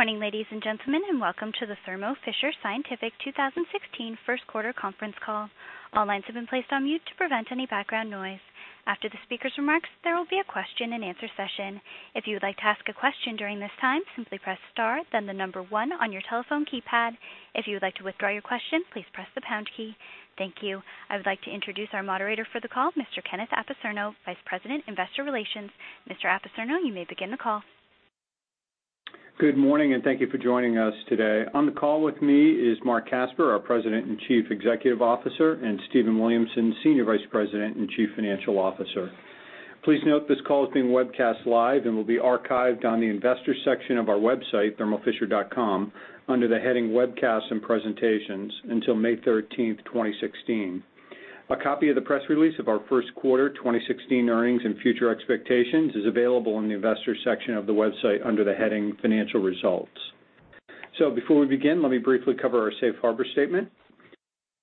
Good morning, ladies and gentlemen, welcome to the Thermo Fisher Scientific 2016 first quarter conference call. All lines have been placed on mute to prevent any background noise. After the speaker's remarks, there will be a question and answer session. If you would like to ask a question during this time, simply press star then the number one on your telephone keypad. If you would like to withdraw your question, please press the pound key. Thank you. I would like to introduce our moderator for the call, Mr. Kenneth Apicerno, Vice President, Investor Relations. Mr. Apicerno, you may begin the call. Good morning, thank you for joining us today. On the call with me is Marc Casper, our President and Chief Executive Officer, and Stephen Williamson, Senior Vice President and Chief Financial Officer. Please note this call is being webcast live and will be archived on the investor section of our website, thermofisher.com, under the heading Webcasts and Presentations until May 13th, 2016. A copy of the press release of our first quarter 2016 earnings and future expectations is available on the investor section of the website under the heading Financial Results. Before we begin, let me briefly cover our safe harbor statement.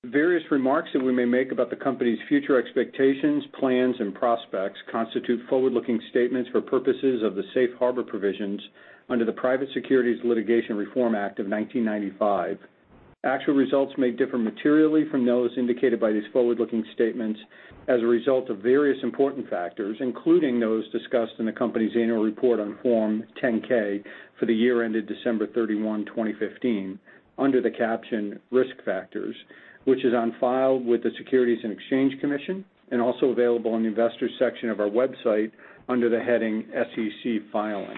Various remarks that we may make about the company's future expectations, plans, and prospects constitute forward-looking statements for purposes of the safe harbor provisions under the Private Securities Litigation Reform Act of 1995. Actual results may differ materially from those indicated by these forward-looking statements as a result of various important factors, including those discussed in the company's annual report on Form 10-K for the year ended December 31, 2015, under the caption Risk Factors, which is on file with the Securities and Exchange Commission and also available on the investor section of our website under the heading SEC Filings.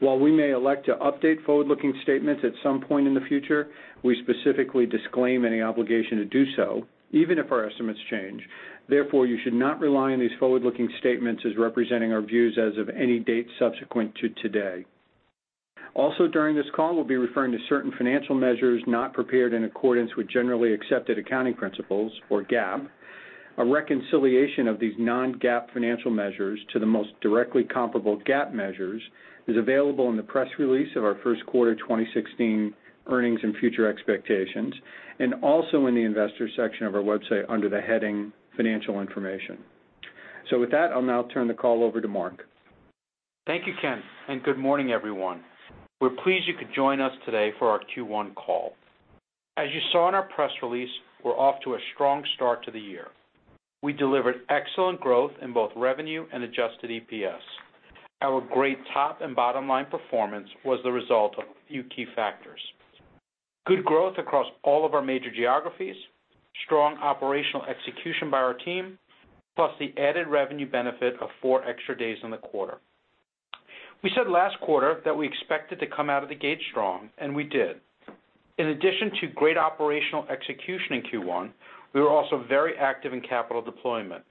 While we may elect to update forward-looking statements at some point in the future, we specifically disclaim any obligation to do so, even if our estimates change. Therefore, you should not rely on these forward-looking statements as representing our views as of any date subsequent to today. Also during this call, we'll be referring to certain financial measures not prepared in accordance with generally accepted accounting principles, or GAAP. A reconciliation of these non-GAAP financial measures to the most directly comparable GAAP measures is available in the press release of our first quarter 2016 earnings and future expectations, and also in the investor section of our website under the heading Financial Information. With that, I'll now turn the call over to Marc. Thank you, Ken. Good morning, everyone. We're pleased you could join us today for our Q1 call. As you saw in our press release, we're off to a strong start to the year. We delivered excellent growth in both revenue and adjusted EPS. Our great top and bottom line performance was the result of a few key factors. Good growth across all of our major geographies, strong operational execution by our team, plus the added revenue benefit of four extra days in the quarter. We said last quarter that we expected to come out of the gate strong, and we did. In addition to great operational execution in Q1, we were also very active in capital deployment.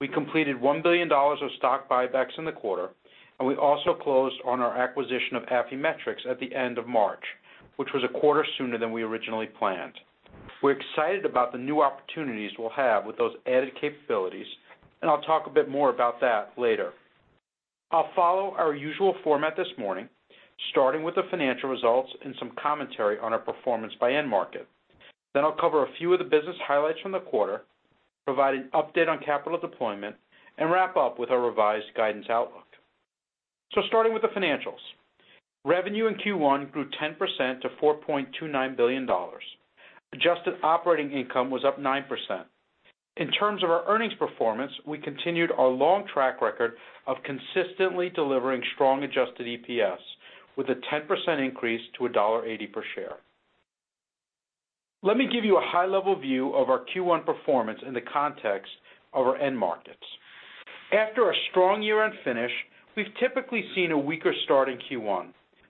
We completed $1 billion of stock buybacks in the quarter, and we also closed on our acquisition of Affymetrix at the end of March, which was a quarter sooner than we originally planned. We're excited about the new opportunities we'll have with those added capabilities, and I'll talk a bit more about that later. I'll follow our usual format this morning, starting with the financial results and some commentary on our performance by end market. I'll cover a few of the business highlights from the quarter, provide an update on capital deployment, and wrap up with our revised guidance outlook. Starting with the financials. Revenue in Q1 grew 10% to $4.29 billion. Adjusted operating income was up 9%. In terms of our earnings performance, we continued our long track record of consistently delivering strong adjusted EPS with a 10% increase to $1.80 per share. Let me give you a high-level view of our Q1 performance in the context of our end markets. After a strong year-end finish, we've typically seen a weaker start in Q1,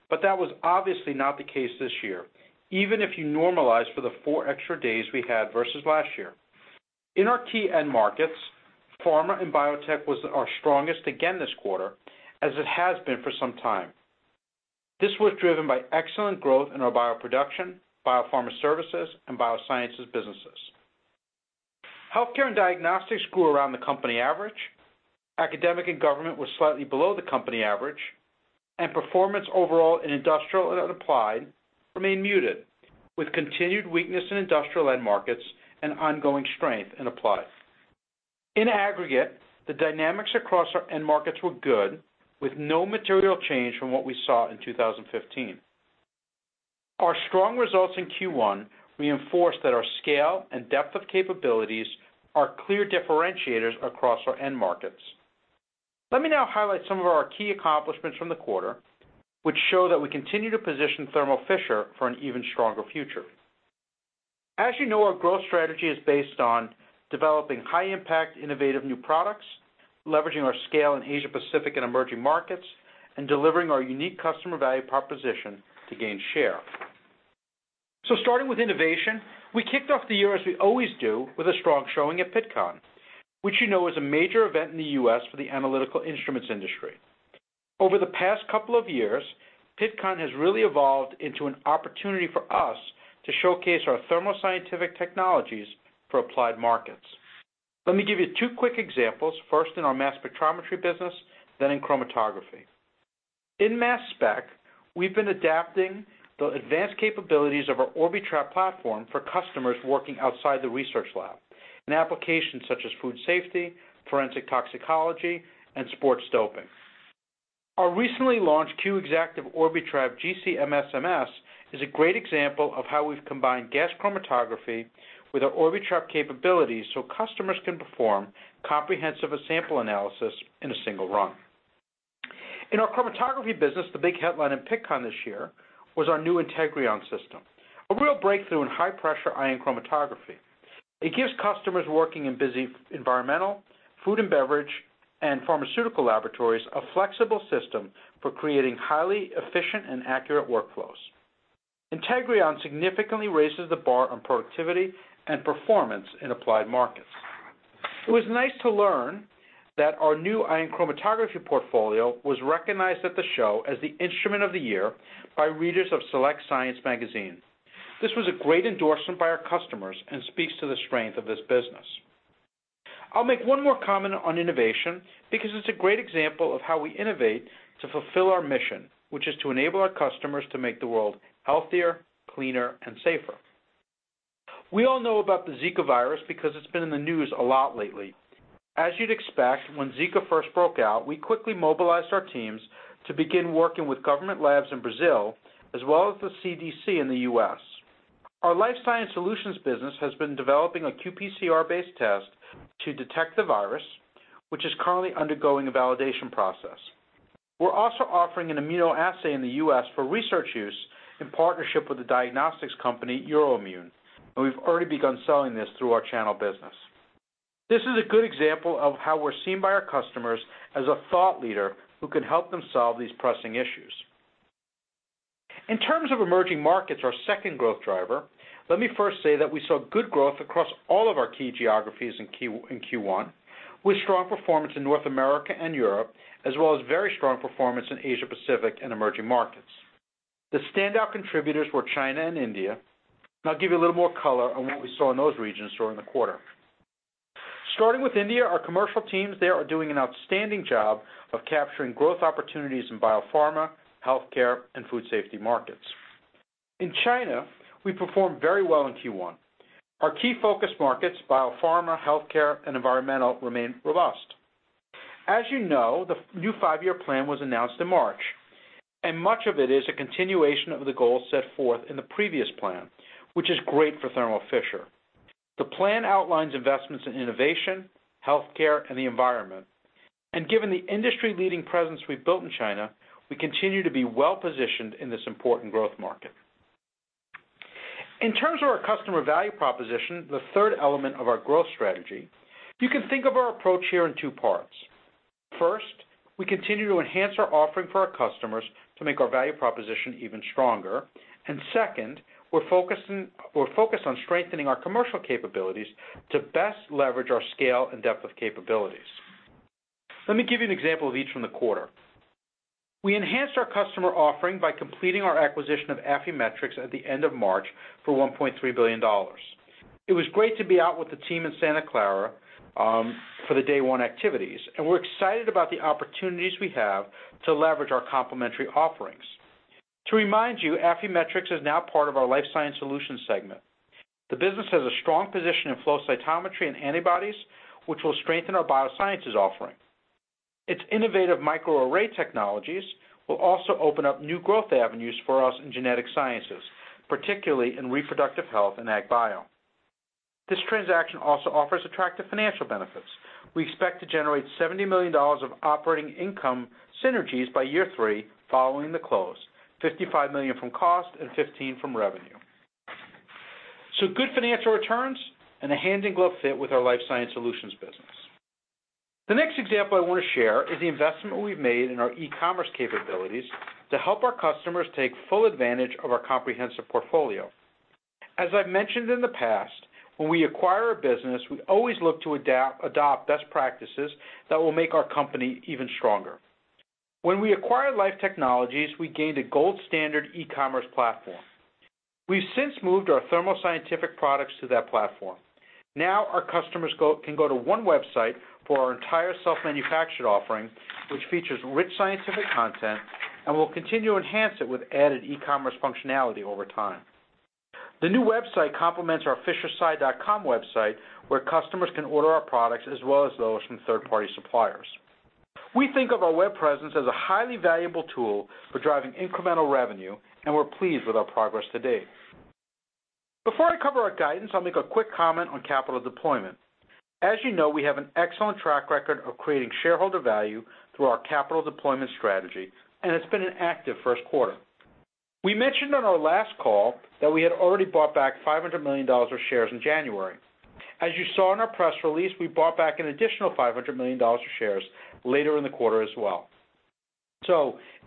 but that was obviously not the case this year, even if you normalize for the four extra days we had versus last year. In our key end markets, pharma and biotech was our strongest again this quarter, as it has been for some time. This was driven by excellent growth in our bioproduction, biopharma services, and biosciences businesses. Healthcare and diagnostics grew around the company average. Academic and government was slightly below the company average, and performance overall in industrial and applied remain muted with continued weakness in industrial end markets and ongoing strength in applied. In aggregate, the dynamics across our end markets were good with no material change from what we saw in 2015. Our strong results in Q1 reinforce that our scale and depth of capabilities are clear differentiators across our end markets. Let me now highlight some of our key accomplishments from the quarter, which show that we continue to position Thermo Fisher for an even stronger future. As you know, our growth strategy is based on developing high-impact, innovative new products, leveraging our scale in Asia-Pacific and emerging markets, and delivering our unique customer value proposition to gain share. Starting with innovation, we kicked off the year as we always do with a strong showing at Pittcon, which you know is a major event in the U.S. for the analytical instruments industry. Over the past couple of years, Pittcon has really evolved into an opportunity for us to showcase our Thermo Scientific technologies for applied markets. Let me give you two quick examples, first in our mass spectrometry business, then in chromatography. In mass spec, we've been adapting the advanced capabilities of our Orbitrap platform for customers working outside the research lab. In applications such as food safety, forensic toxicology, and sports doping. Our recently launched Q Exactive GC Orbitrap GC-MS/MS is a great example of how we've combined gas chromatography with our Orbitrap capabilities so customers can perform comprehensive sample analysis in a single run. In our chromatography business, the big headline in Pittcon this year was our new Integrion system, a real breakthrough in high-pressure ion chromatography. It gives customers working in busy environmental, food and beverage, and pharmaceutical laboratories a flexible system for creating highly efficient and accurate workflows. Integrion significantly raises the bar on productivity and performance in applied markets. It was nice to learn that our new ion chromatography portfolio was recognized at the show as the Instrument of the Year by readers of SelectScience magazine. This was a great endorsement by our customers and speaks to the strength of this business. I'll make one more comment on innovation because it's a great example of how we innovate to fulfill our mission, which is to enable our customers to make the world healthier, cleaner, and safer. We all know about the Zika virus because it's been in the news a lot lately. As you'd expect, when Zika first broke out, we quickly mobilized our teams to begin working with government labs in Brazil, as well as the CDC in the U.S. Our Life Sciences Solutions business has been developing a qPCR-based test to detect the virus, which is currently undergoing a validation process. We're also offering an immunoassay in the U.S. for research use in partnership with the diagnostics company Euroimmun, and we've already begun selling this through our channel business. This is a good example of how we're seen by our customers as a thought leader who can help them solve these pressing issues. In terms of emerging markets, our second growth driver, let me first say that we saw good growth across all of our key geographies in Q1, with strong performance in North America and Europe, as well as very strong performance in Asia-Pacific and emerging markets. The standout contributors were China and India, and I'll give you a little more color on what we saw in those regions during the quarter. Starting with India, our commercial teams there are doing an outstanding job of capturing growth opportunities in biopharma, healthcare, and food safety markets. In China, we performed very well in Q1. Our key focus markets, biopharma, healthcare, and environmental, remain robust. As you know, the new five-year plan was announced in March, and much of it is a continuation of the goals set forth in the previous plan, which is great for Thermo Fisher. The plan outlines investments in innovation, healthcare, and the environment, and given the industry-leading presence we've built in China, we continue to be well-positioned in this important growth market. In terms of our customer value proposition, the third element of our growth strategy, you can think of our approach here in two parts. First, we continue to enhance our offering for our customers to make our value proposition even stronger. Second, we're focused on strengthening our commercial capabilities to best leverage our scale and depth of capabilities. Let me give you an example of each from the quarter. We enhanced our customer offering by completing our acquisition of Affymetrix at the end of March for $1.3 billion. It was great to be out with the team in Santa Clara for the day one activities. We're excited about the opportunities we have to leverage our complementary offerings. To remind you, Affymetrix is now part of ouLife Sciences Solutions segment. The business has a strong position in flow cytometry and antibodies, which will strengthen our biosciences offering. Its innovative microarray technologies will also open up new growth avenues for us in genetic sciences, particularly in reproductive health and ag bio. This transaction also offers attractive financial benefits. We expect to generate $70 million of operating income synergies by year three following the close, $55 million from cost and $15 million from revenue. Good financial returns and a hand-in-glove fit with our Life Sciences Solutions business. The next example I want to share is the investment we've made in our e-commerce capabilities to help our customers take full advantage of our comprehensive portfolio. As I've mentioned in the past, when we acquire a business, we always look to adopt best practices that will make our company even stronger. When we acquired Life Technologies, we gained a gold standard e-commerce platform. We've since moved our Thermo Scientific products to that platform. Our customers can go to one website for our entire cell manufacture offering, which features rich scientific content. We'll continue to enhance it with added e-commerce functionality over time. The new website complements our fishersci.com website, where customers can order our products as well as those from third-party suppliers. We think of our web presence as a highly valuable tool for driving incremental revenue, and we're pleased with our progress to date. Before I cover our guidance, I'll make a quick comment on capital deployment. As you know, we have an excellent track record of creating shareholder value through our capital deployment strategy, and it's been an active first quarter. We mentioned on our last call that we had already bought back $500 million of shares in January. As you saw in our press release, we bought back an additional $500 million of shares later in the quarter as well.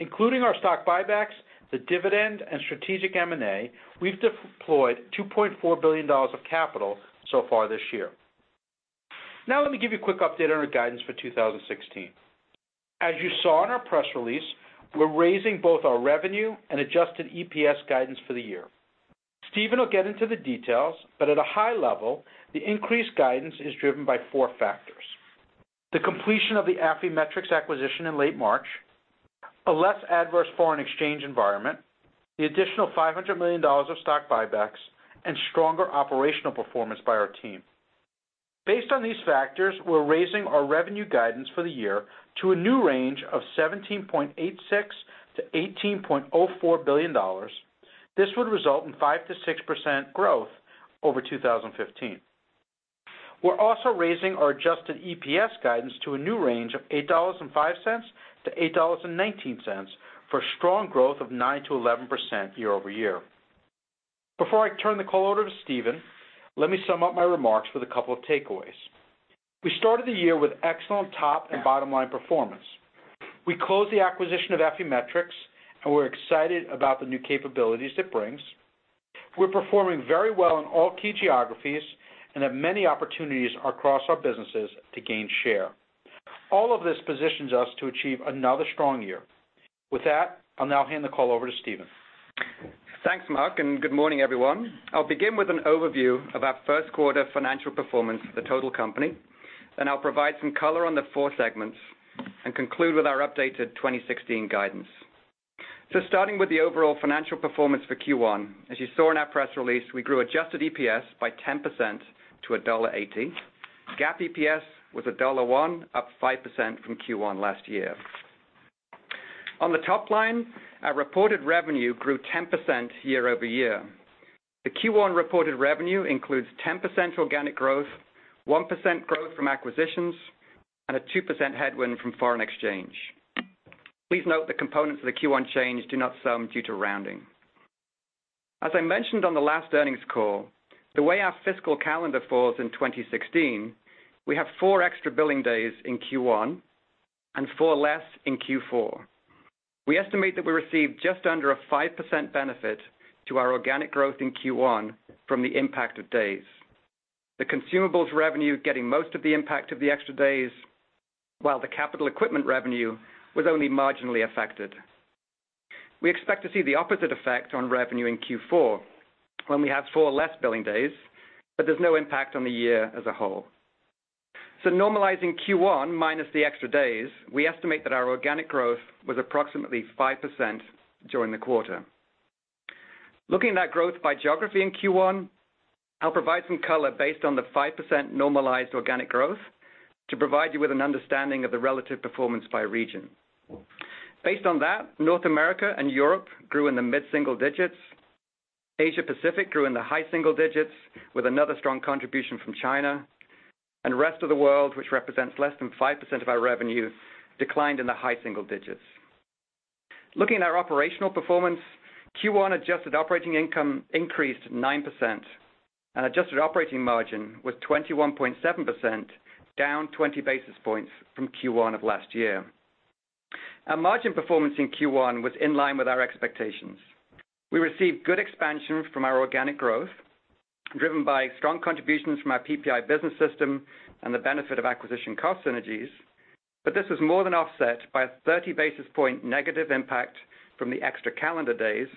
Including our stock buybacks, the dividend, and strategic M&A, we've deployed $2.4 billion of capital so far this year. Let me give you a quick update on our guidance for 2016. As you saw in our press release, we're raising both our revenue and adjusted EPS guidance for the year. Stephen will get into the details, but at a high level, the increased guidance is driven by four factors. The completion of the Affymetrix acquisition in late March, a less adverse foreign exchange environment, the additional $500 million of stock buybacks, and stronger operational performance by our team. Based on these factors, we're raising our revenue guidance for the year to a new range of $17.86 billion-$18.04 billion. This would result in 5%-6% growth over 2015. We're also raising our adjusted EPS guidance to a new range of $8.05-$8.19, for a strong growth of 9%-11% year-over-year. Before I turn the call over to Stephen, let me sum up my remarks with a couple of takeaways. We started the year with excellent top and bottom line performance. We closed the acquisition of Affymetrix. We're excited about the new capabilities it brings. We're performing very well in all key geographies and have many opportunities across our businesses to gain share. All of this positions us to achieve another strong year. With that, I'll now hand the call over to Stephen. Thanks, Marc, and good morning, everyone. I'll begin with an overview of our first quarter financial performance of the total company, then I'll provide some color on the four segments, and conclude with our updated 2016 guidance. Starting with the overall financial performance for Q1, as you saw in our press release, we grew adjusted EPS by 10% to $1.80. GAAP EPS was $1.01, up 5% from Q1 last year. On the top line, our reported revenue grew 10% year-over-year. The Q1 reported revenue includes 10% organic growth, 1% growth from acquisitions, and a 2% headwind from foreign exchange. Please note the components of the Q1 change do not sum due to rounding. As I mentioned on the last earnings call, the way our fiscal calendar falls in 2016, we have four extra billing days in Q1 and four less in Q4. We estimate that we received just under a 5% benefit to our organic growth in Q1 from the impact of days. The consumables revenue getting most of the impact of the extra days, while the capital equipment revenue was only marginally affected. We expect to see the opposite effect on revenue in Q4, when we have four less billing days, but there's no impact on the year as a whole. Normalizing Q1 minus the extra days, we estimate that our organic growth was approximately 5% during the quarter. Looking at that growth by geography in Q1, I'll provide some color based on the 5% normalized organic growth to provide you with an understanding of the relative performance by region. Based on that, North America and Europe grew in the mid-single digits. Asia-Pacific grew in the high single digits with another strong contribution from China. The rest of the world, which represents less than 5% of our revenue, declined in the high single digits. Looking at our operational performance, Q1 adjusted operating income increased 9% and adjusted operating margin was 21.7%, down 20 basis points from Q1 of last year. Our margin performance in Q1 was in line with our expectations. We received good expansion from our organic growth, driven by strong contributions from our PPI business system and the benefit of acquisition cost synergies, but this was more than offset by a 30 basis point negative impact from the extra calendar days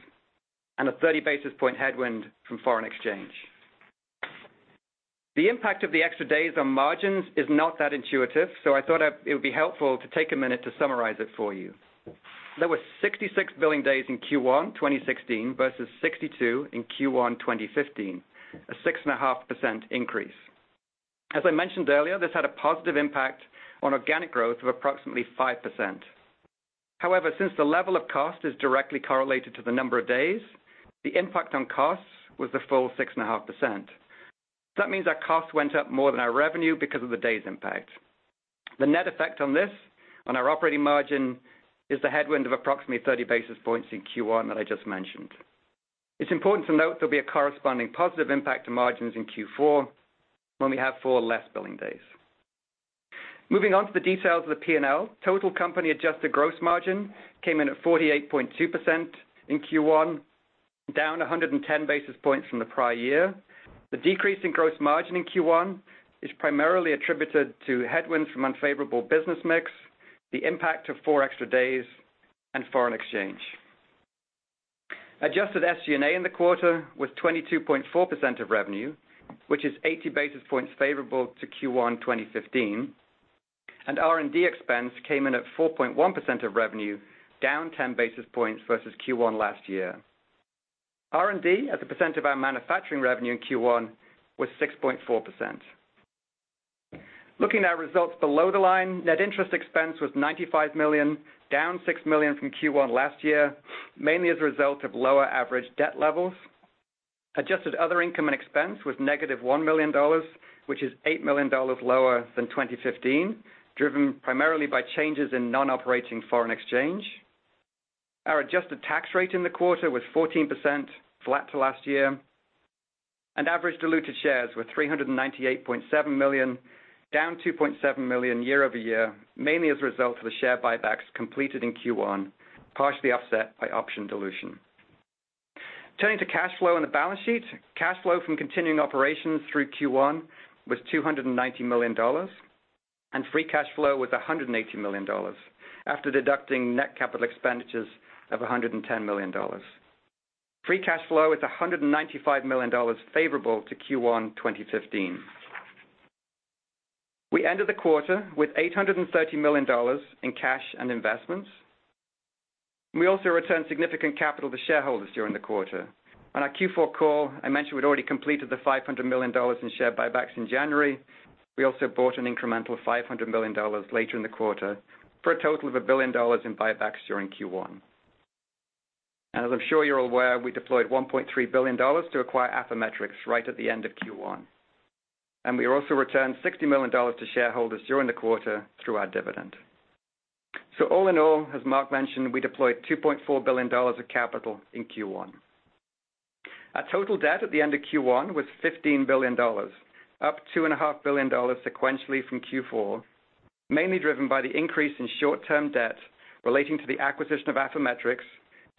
and a 30 basis point headwind from foreign exchange. The impact of the extra days on margins is not that intuitive, I thought it would be helpful to take a minute to summarize it for you. There were 66 billing days in Q1 2016 versus 62 in Q1 2015, a 6.5% increase. As I mentioned earlier, this had a positive impact on organic growth of approximately 5%. However, since the level of cost is directly correlated to the number of days, the impact on costs was the full 6.5%. That means our cost went up more than our revenue because of the days impact. The net effect on this on our operating margin is the headwind of approximately 30 basis points in Q1 that I just mentioned. It's important to note there'll be a corresponding positive impact to margins in Q4 when we have four less billing days. Moving on to the details of the P&L. Total company adjusted gross margin came in at 48.2% in Q1, down 110 basis points from the prior year. The decrease in gross margin in Q1 is primarily attributed to headwinds from unfavorable business mix, the impact of four extra days, and foreign exchange. Adjusted SG&A in the quarter was 22.4% of revenue, which is 80 basis points favorable to Q1 2015. R&D expense came in at 4.1% of revenue, down 10 basis points versus Q1 last year. R&D as a percent of our manufacturing revenue in Q1 was 6.4%. Looking at results below the line, net interest expense was $95 million, down $6 million from Q1 last year, mainly as a result of lower average debt levels. Adjusted other income and expense was negative $1 million, which is $8 million lower than 2015, driven primarily by changes in non-operating foreign exchange. Our adjusted tax rate in the quarter was 14%, flat to last year. Average diluted shares were 398.7 million, down 2.7 million year-over-year, mainly as a result of the share buybacks completed in Q1, partially offset by option dilution. Turning to cash flow and the balance sheet. Cash flow from continuing operations through Q1 was $290 million. Free cash flow was $180 million, after deducting net capital expenditures of $110 million. Free cash flow is $195 million favorable to Q1 2015. We ended the quarter with $830 million in cash and investments. We also returned significant capital to shareholders during the quarter. On our Q4 call, I mentioned we'd already completed the $500 million in share buybacks in January. We also bought an incremental $500 million later in the quarter, for a total of $1 billion in buybacks during Q1. As I'm sure you're aware, we deployed $1.3 billion to acquire Affymetrix right at the end of Q1. We also returned $60 million to shareholders during the quarter through our dividend. All in all, as Marc mentioned, we deployed $2.4 billion of capital in Q1. Our total debt at the end of Q1 was $15 billion, up $2.5 billion sequentially from Q4, mainly driven by the increase in short-term debt relating to the acquisition of Affymetrix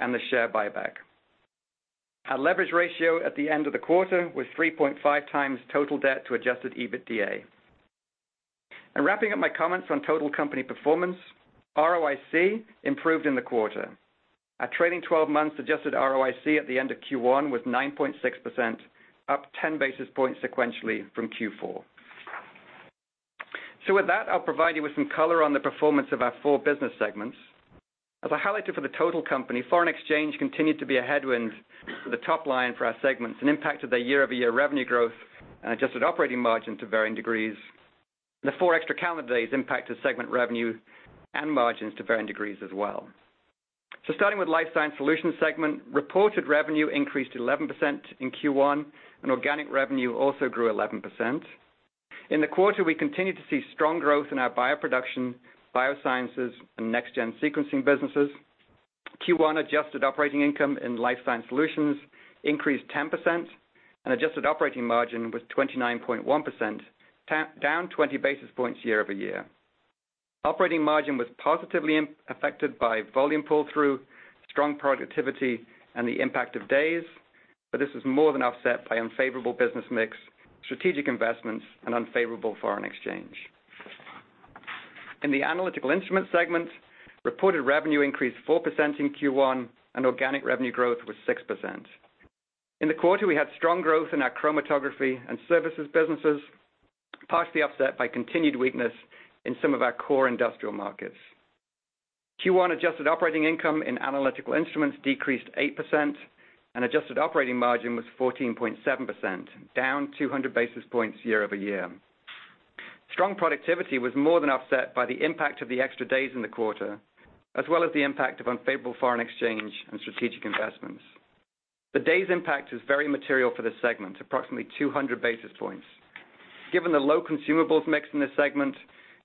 and the share buyback. Our leverage ratio at the end of the quarter was 3.5 times total debt to adjusted EBITDA. Wrapping up my comments on total company performance, ROIC improved in the quarter. Our trailing 12 months adjusted ROIC at the end of Q1 was 9.6%, up 10 basis points sequentially from Q4. With that, I'll provide you with some color on the performance of our four business segments. As I highlighted for the total company, foreign exchange continued to be a headwind for the top line for our segments and impacted their year-over-year revenue growth and adjusted operating margin to varying degrees. The four extra calendar days impacted segment revenue and margins to varying degrees as well. Starting with Life Sciences Solutions segment, reported revenue increased 11% in Q1, and organic revenue also grew 11%. In the quarter, we continued to see strong growth in our bioproduction, biosciences, and next-gen sequencing businesses. Q1 adjusted operating income in Life Sciences Solutions increased 10%, and adjusted operating margin was 29.1%, down 20 basis points year-over-year. Operating margin was positively affected by volume pull-through, strong productivity, and the impact of days, this was more than offset by unfavorable business mix, strategic investments, and unfavorable foreign exchange. In the Analytical Instruments segment, reported revenue increased 4% in Q1, and organic revenue growth was 6%. In the quarter, we had strong growth in our chromatography and services businesses, partially offset by continued weakness in some of our core industrial markets. Q1 adjusted operating income in Analytical Instruments decreased 8%, and adjusted operating margin was 14.7%, down 200 basis points year-over-year. Strong productivity was more than offset by the impact of the extra days in the quarter, as well as the impact of unfavorable foreign exchange and strategic investments. The days impact is very material for this segment, approximately 200 basis points. Given the low consumables mix in this segment,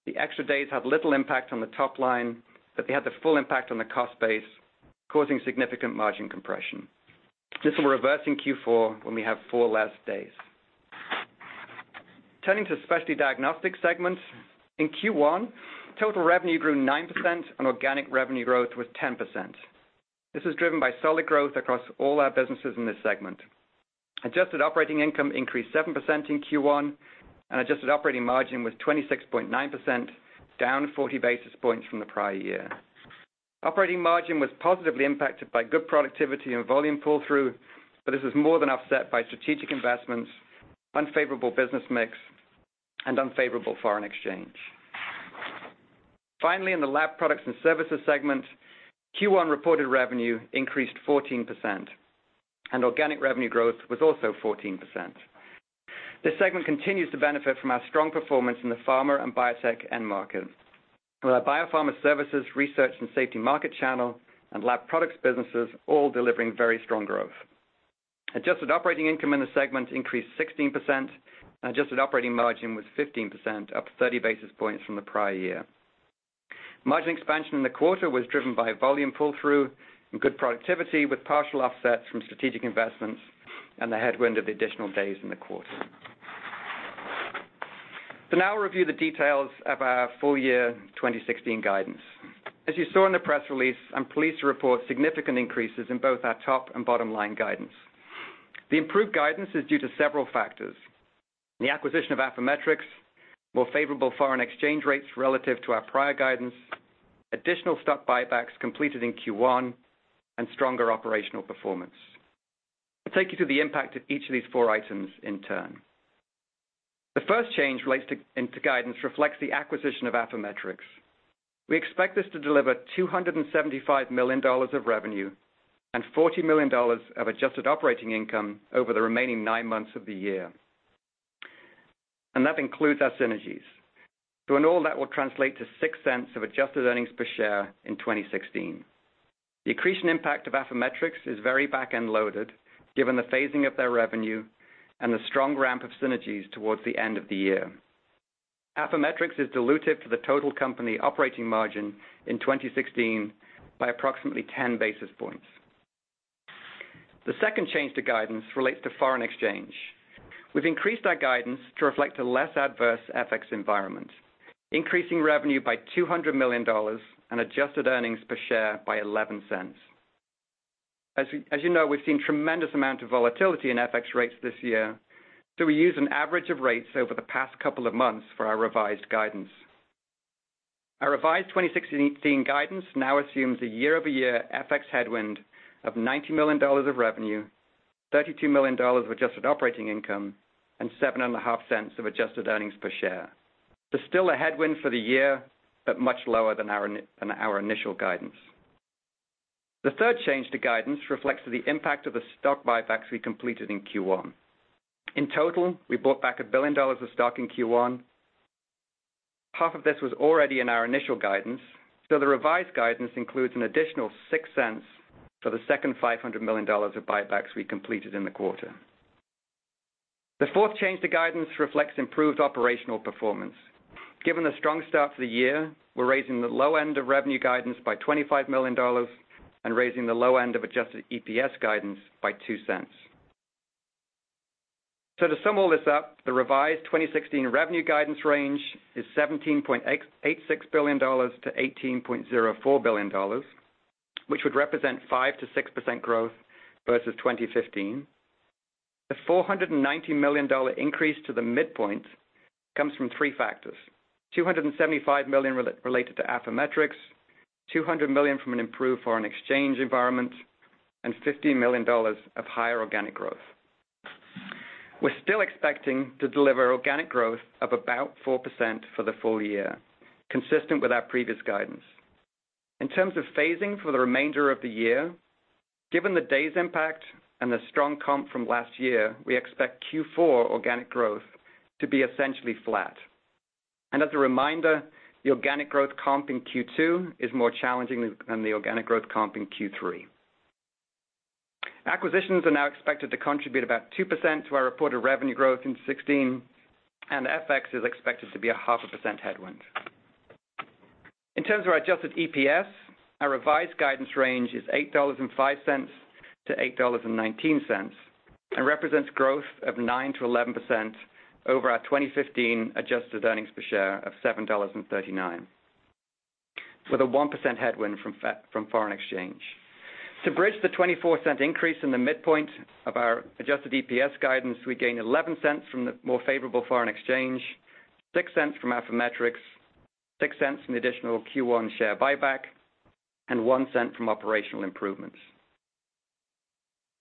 the extra days had little impact on the top line, they had the full impact on the cost base, causing significant margin compression. This will reverse in Q4 when we have four less days. Turning to Specialty Diagnostics segment. In Q1, total revenue grew 9%, and organic revenue growth was 10%. This is driven by solid growth across all our businesses in this segment. Adjusted operating income increased 7% in Q1, and adjusted operating margin was 26.9%, down 40 basis points from the prior year. Operating margin was positively impacted by good productivity and volume pull-through, this was more than offset by strategic investments, unfavorable business mix, and unfavorable foreign exchange. Finally, in the Laboratory Products and Services segment, Q1 reported revenue increased 14%, and organic revenue growth was also 14%. This segment continues to benefit from our strong performance in the pharma and biotech end market, with our biopharma services, research and safety market channel, and lab products businesses all delivering very strong growth. Adjusted operating income in the segment increased 16%, and adjusted operating margin was 15%, up 30 basis points from the prior year. Margin expansion in the quarter was driven by volume pull-through and good productivity, with partial offsets from strategic investments and the headwind of the additional days in the quarter. Now we'll review the details of our full year 2016 guidance. As you saw in the press release, I'm pleased to report significant increases in both our top and bottom line guidance. The improved guidance is due to several factors, the acquisition of Affymetrix, more favorable foreign exchange rates relative to our prior guidance, additional stock buybacks completed in Q1, and stronger operational performance. I'll take you through the impact of each of these four items in turn. The first change into guidance reflects the acquisition of Affymetrix. We expect this to deliver $275 million of revenue and $40 million of adjusted operating income over the remaining nine months of the year. That includes our synergies. In all, that will translate to $0.06 of adjusted earnings per share in 2016. The accretion impact of Affymetrix is very back-end loaded, given the phasing of their revenue and the strong ramp of synergies towards the end of the year. Affymetrix is dilutive to the total company operating margin in 2016 by approximately 10 basis points. The second change to guidance relates to foreign exchange. We've increased our guidance to reflect a less adverse FX environment, increasing revenue by $200 million and adjusted earnings per share by $0.11. As you know, we've seen tremendous amount of volatility in FX rates this year. We use an average of rates over the past couple of months for our revised guidance. Our revised 2016 guidance now assumes a year-over-year FX headwind of $90 million of revenue, $32 million of adjusted operating income, and $0.075 of adjusted earnings per share. There's still a headwind for the year, but much lower than our initial guidance. The third change to guidance reflects the impact of the stock buybacks we completed in Q1. In total, we bought back $1 billion of stock in Q1. Half of this was already in our initial guidance. The revised guidance includes an additional $0.06 for the second $500 million of buybacks we completed in the quarter. The fourth change to guidance reflects improved operational performance. Given the strong start to the year, we're raising the low end of revenue guidance by $25 million and raising the low end of adjusted EPS guidance by $0.02. To sum all this up, the revised 2016 revenue guidance range is $17.86 billion-$18.04 billion, which would represent 5%-6% growth versus 2015. The $490 million increase to the midpoint comes from three factors: $275 million related to Affymetrix, $200 million from an improved foreign exchange environment, and $15 million of higher organic growth. We're still expecting to deliver organic growth of about 4% for the full year, consistent with our previous guidance. In terms of phasing for the remainder of the year, given the day's impact and the strong comp from last year, we expect Q4 organic growth to be essentially flat. As a reminder, the organic growth comp in Q2 is more challenging than the organic growth comp in Q3. Acquisitions are now expected to contribute about 2% to our reported revenue growth in 2016, and FX is expected to be a 0.5% headwind. In terms of our adjusted EPS, our revised guidance range is $8.05-$8.19 and represents growth of 9%-11% over our 2015 adjusted earnings per share of $7.39, with a 1% headwind from foreign exchange. To bridge the $0.24 increase in the midpoint of our adjusted EPS guidance, we gain $0.11 from the more favorable foreign exchange, $0.06 from Affymetrix, $0.06 in additional Q1 share buyback, and $0.01 from operational improvements.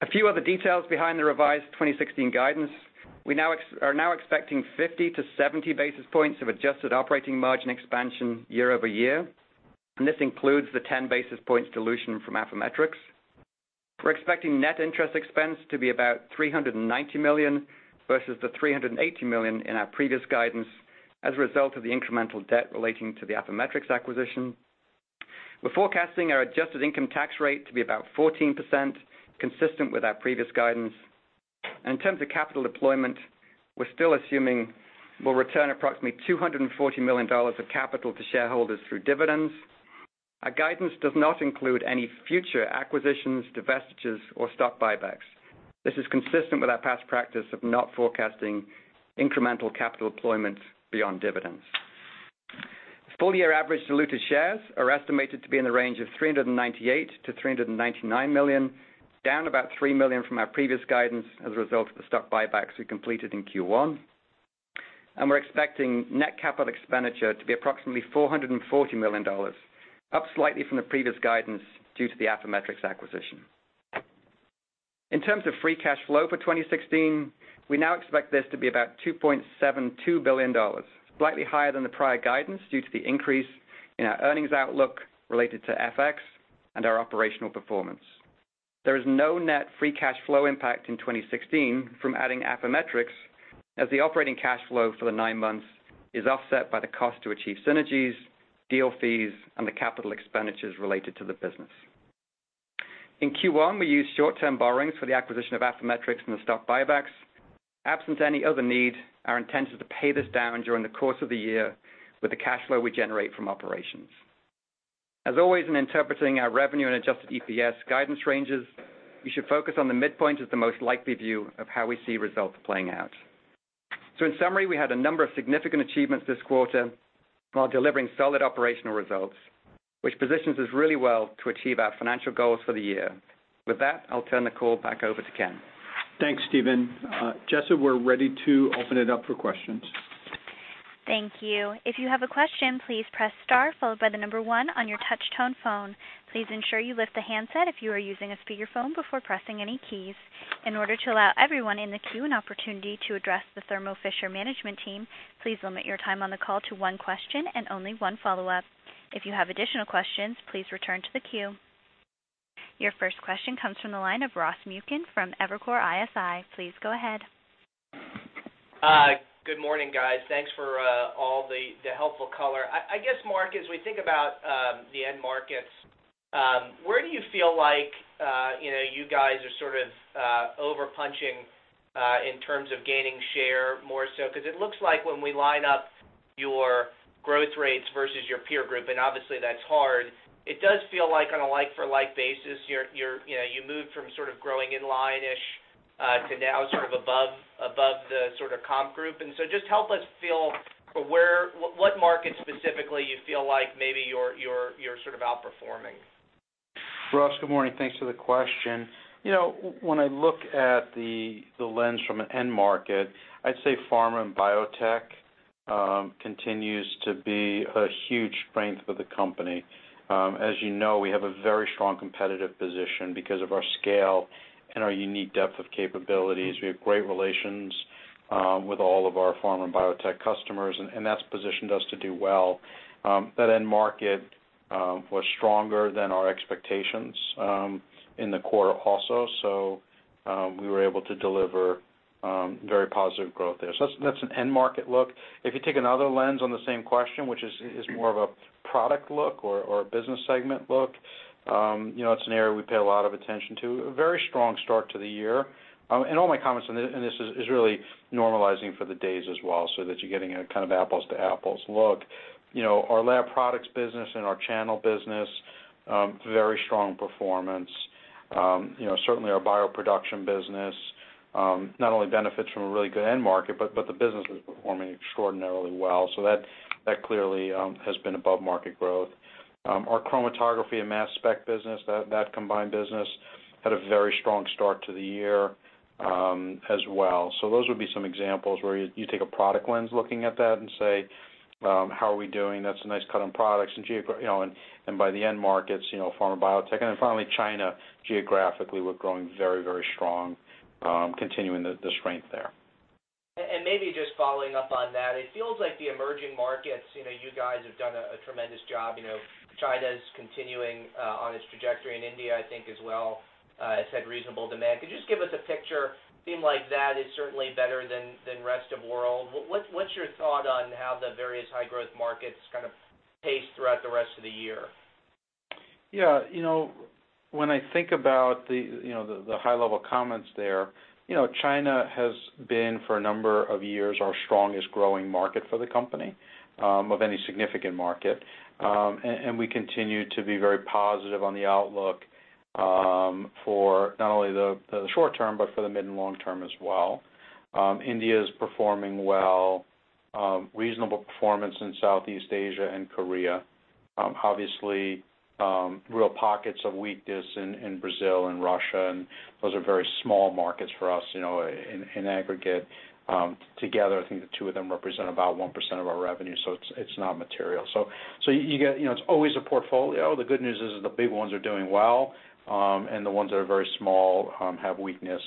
A few other details behind the revised 2016 guidance. We are now expecting 50 to 70 basis points of adjusted operating margin expansion year-over-year. This includes the 10 basis points dilution from Affymetrix. We're expecting net interest expense to be about $390 million versus the $380 million in our previous guidance as a result of the incremental debt relating to the Affymetrix acquisition. We're forecasting our adjusted income tax rate to be about 14%, consistent with our previous guidance. In terms of capital deployment, we're still assuming we'll return approximately $240 million of capital to shareholders through dividends. Our guidance does not include any future acquisitions, divestitures, or stock buybacks. This is consistent with our past practice of not forecasting incremental capital deployment beyond dividends. Full year average diluted shares are estimated to be in the range of 398 million-399 million, down about three million from our previous guidance as a result of the stock buybacks we completed in Q1. We're expecting net capital expenditure to be approximately $440 million, up slightly from the previous guidance due to the Affymetrix acquisition. In terms of free cash flow for 2016, we now expect this to be about $2.72 billion, slightly higher than the prior guidance due to the increase in our earnings outlook related to FX and our operational performance. There is no net free cash flow impact in 2016 from adding Affymetrix, as the operating cash flow for the nine months is offset by the cost to achieve synergies, deal fees, and the capital expenditures related to the business. In Q1, we used short-term borrowings for the acquisition of Affymetrix and the stock buybacks. Absent any other need, our intent is to pay this down during the course of the year with the cash flow we generate from operations. As always, in interpreting our revenue and adjusted EPS guidance ranges, we should focus on the midpoint as the most likely view of how we see results playing out. In summary, we had a number of significant achievements this quarter while delivering solid operational results, which positions us really well to achieve our financial goals for the year. With that, I'll turn the call back over to Ken. Thanks, Stephen. Jessa, we're ready to open it up for questions. Thank you. If you have a question, please press star followed by the number 1 on your touch tone phone. Please ensure you lift the handset if you are using a speakerphone before pressing any keys. In order to allow everyone in the queue an opportunity to address the Thermo Fisher management team, please limit your time on the call to one question and only one follow-up. If you have additional questions, please return to the queue. Your first question comes from the line of Ross Muken from Evercore ISI. Please go ahead. Good morning, guys. Thanks for all the helpful color. I guess, Marc, as we think about the end markets, where do you feel like you guys are sort of over-punching in terms of gaining share more so? Because it looks like when we line up your growth rates versus your peer group, and obviously that's hard, it does feel like on a like-for-like basis, you moved from sort of growing in line-ish to now sort of above the sort of comp group. Just help us feel what markets specifically you feel like maybe you're sort of outperforming. Ross, good morning. Thanks for the question. When I look at the lens from an end market, I'd say pharma and biotech continues to be a huge strength of the company. As you know, we have a very strong competitive position because of our scale and our unique depth of capabilities. We have great relations with all of our pharma and biotech customers, and that's positioned us to do well. That end market was stronger than our expectations in the quarter also, so we were able to deliver very positive growth there. That's an end market look. If you take another lens on the same question, which is more of a product look or a business segment look, it's an area we pay a lot of attention to. A very strong start to the year. All my comments on this is really normalizing for the days as well, so that you're getting a kind of apples-to-apples look. Our Lab Products business and our channel business, very strong performance. Certainly, our bioproduction business, not only benefits from a really good end market, but the business was performing extraordinarily well. That clearly has been above market growth. Our chromatography and mass spec business, that combined business, had a very strong start to the year as well. Those would be some examples where you take a product lens looking at that and say, "How are we doing?" That's a nice cut on products and by the end markets, pharma, biotech. Finally, China, geographically, we're growing very strong, continuing the strength there. Maybe just following up on that, it feels like the emerging markets, you guys have done a tremendous job. China's continuing on its trajectory, and India, I think as well, has had reasonable demand. Could you just give us a picture? Seemed like that is certainly better than rest of world. What's your thought on how the various high-growth markets kind of pace throughout the rest of the year? Yeah. When I think about the high-level comments there, China has been, for a number of years, our strongest growing market for the company, of any significant market. We continue to be very positive on the outlook, for not only the short term, but for the mid- and long-term as well. India is performing well, reasonable performance in Southeast Asia and Korea. Obviously, real pockets of weakness in Brazil and Russia, and those are very small markets for us, in aggregate. Together, I think the two of them represent about 1% of our revenue, so it's not material. It's always a portfolio. The good news is the big ones are doing well, and the ones that are very small have weakness.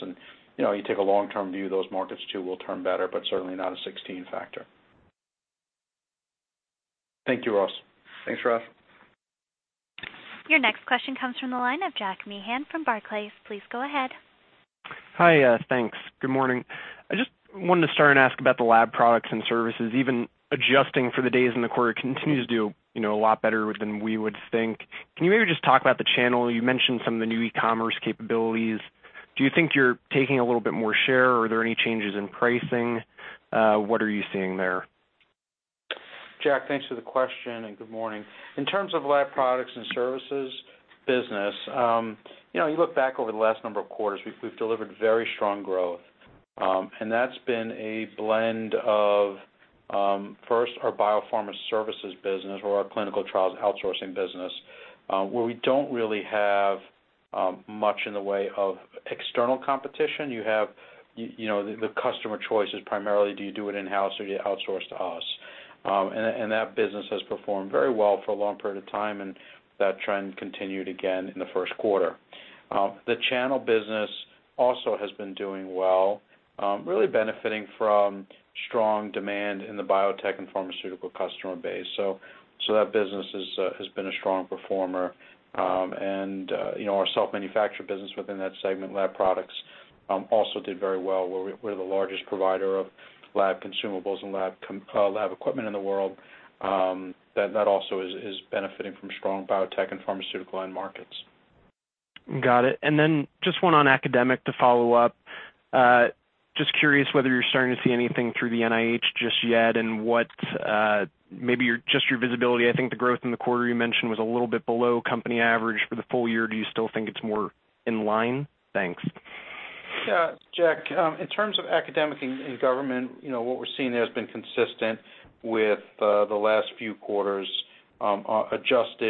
You take a long-term view, those markets too will turn better, but certainly not a 16 factor. Thank you, Ross. Thanks, Ross. Your next question comes from the line of Jack Meehan from Barclays. Please go ahead. Hi. Thanks. Good morning. I just wanted to start and ask about the Laboratory Products and Services. Even adjusting for the days in the quarter, it continues to do a lot better than we would think. Can you maybe just talk about the channel? You mentioned some of the new e-commerce capabilities. Do you think you're taking a little bit more share, or are there any changes in pricing? What are you seeing there? Jack, thanks for the question, and good morning. In terms of Laboratory Products and Services business, you look back over the last number of quarters, we've delivered very strong growth. That's been a blend of, first, our biopharma services business or our clinical trials outsourcing business, where we don't really have much in the way of external competition. You have the customer choices primarily, do you do it in-house or do you outsource to us? That business has performed very well for a long period of time, and that trend continued again in the first quarter. The channel business also has been doing well, really benefiting from strong demand in the biotech and pharmaceutical customer base. That business has been a strong performer. Our self-manufactured business within that segment, lab products, also did very well, where we're the largest provider of lab consumables and lab equipment in the world. That also is benefiting from strong biotech and pharmaceutical end markets. Got it. Just one on academic to follow up. Just curious whether you're starting to see anything through the NIH just yet and what maybe just your visibility, I think the growth in the quarter you mentioned was a little bit below company average for the full year. Do you still think it's more in line? Thanks. Yeah, Jack, in terms of academic and government, what we're seeing there has been consistent with the last few quarters, normalized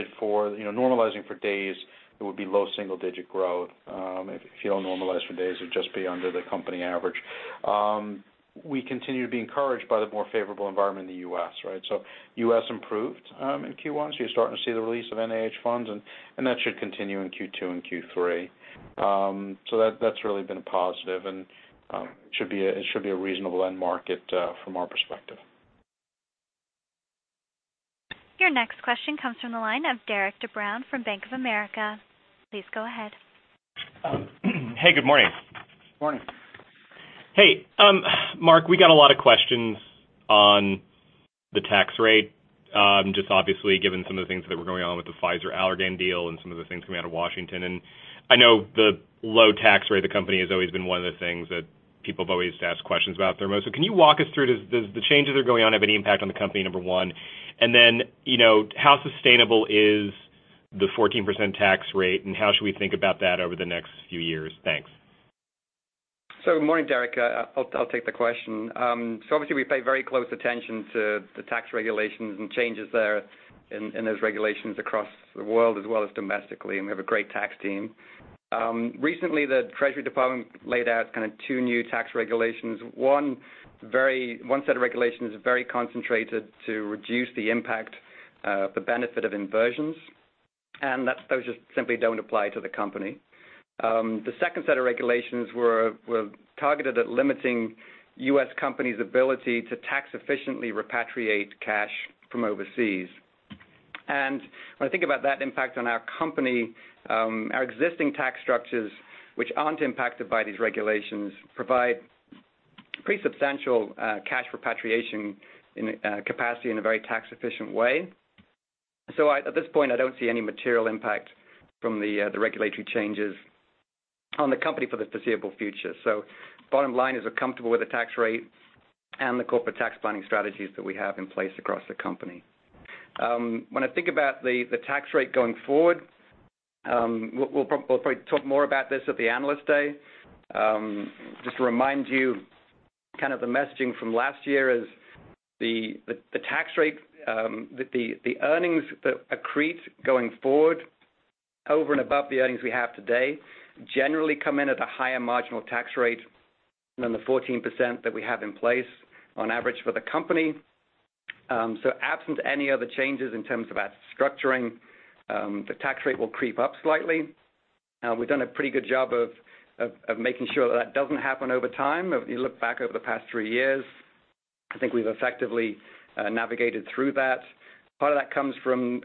for days, it would be low single-digit growth. If you don't normalize for days, it would just be under the company average. We continue to be encouraged by the more favorable environment in the U.S., right? U.S. improved in Q1, you're starting to see the release of NIH funds, and that should continue in Q2 and Q3. That's really been a positive, and it should be a reasonable end market from our perspective. Your next question comes from the line of Derik De Bruin from Bank of America. Please go ahead. Hey, good morning. Morning. Hey, Marc, we got a lot of questions on the tax rate, just obviously given some of the things that were going on with the Pfizer-Allergan deal and some of the things coming out of Washington. I know the low tax rate of the company has always been one of the things that people have always asked questions about Thermo. Can you walk us through, does the changes that are going on have any impact on the company, number one? How sustainable is the 14% tax rate, and how should we think about that over the next few years? Thanks. Good morning, Derik. I'll take the question. Obviously we pay very close attention to the tax regulations and changes there in those regulations across the world as well as domestically, and we have a great tax team. Recently, the Treasury Department laid out two new tax regulations. One set of regulations is very concentrated to reduce the impact of the benefit of inversions, and those just simply don't apply to the company. The second set of regulations were targeted at limiting U.S. companies' ability to tax efficiently repatriate cash from overseas. When I think about that impact on our company, our existing tax structures, which aren't impacted by these regulations, provide pretty substantial cash repatriation capacity in a very tax-efficient way. At this point, I don't see any material impact from the regulatory changes on the company for the foreseeable future. Bottom line is we're comfortable with the tax rate and the corporate tax planning strategies that we have in place across the company. When I think about the tax rate going forward, we'll probably talk more about this at the Analyst Day. Just to remind you, the messaging from last year is the earnings that accrete going forward over and above the earnings we have today generally come in at a higher marginal tax rate than the 14% that we have in place on average for the company. Absent any other changes in terms of our structuring, the tax rate will creep up slightly. We've done a pretty good job of making sure that doesn't happen over time. If you look back over the past three years, I think we've effectively navigated through that. Part of that comes from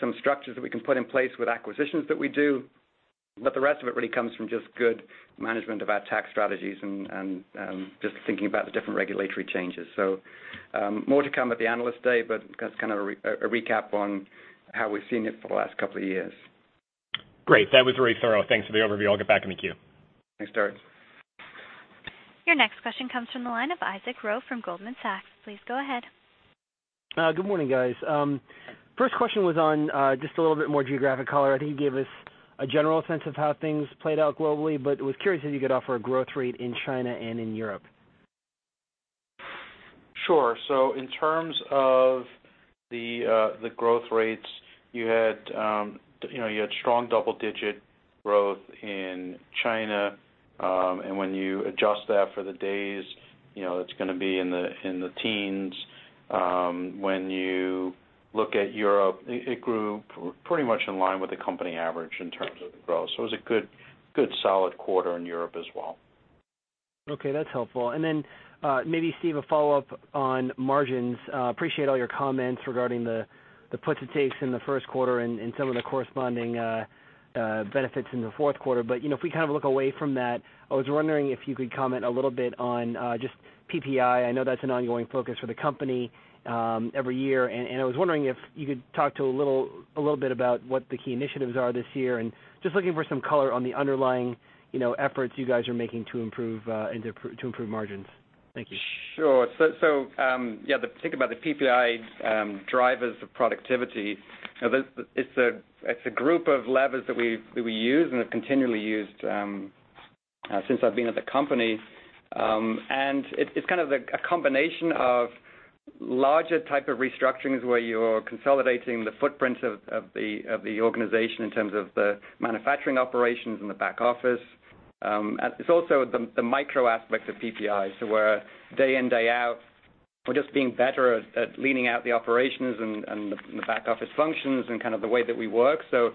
some structures that we can put in place with acquisitions that we do. The rest of it really comes from just good management of our tax strategies and just thinking about the different regulatory changes. More to come at the Analyst Day. That's a recap on how we've seen it for the last couple of years. Great. That was very thorough. Thanks for the overview. I'll get back in the queue. Thanks, Derik. Your next question comes from the line of Isaac Ro from Goldman Sachs. Please go ahead. Good morning, guys. First question was on just a little bit more geographic color. I think you gave us a general sense of how things played out globally, but I was curious if you could offer a growth rate in China and in Europe. Sure. In terms of the growth rates, you had strong double-digit growth in China. When you adjust that for the days, it's going to be in the teens. When you look at Europe, it grew pretty much in line with the company average in terms of the growth. It was a good solid quarter in Europe as well. Okay, that's helpful. Then maybe Steve, a follow-up on margins. Appreciate all your comments regarding the puts and takes in the first quarter and some of the corresponding benefits in the fourth quarter. If we look away from that, I was wondering if you could comment a little bit on just PPI. I know that's an ongoing focus for the company every year, I was wondering if you could talk a little bit about what the key initiatives are this year, just looking for some color on the underlying efforts you guys are making to improve margins. Thank you. Sure. Yeah, the thing about the PPI drivers of productivity, it's a group of levers that we use and have continually used since I've been at the company. It's kind of a combination of larger type of restructurings where you're consolidating the footprints of the organization in terms of the manufacturing operations in the back office. It's also the micro aspects of PPI. Where day in, day out, we're just being better at leaning out the operations and the back-office functions and kind of the way that we work. The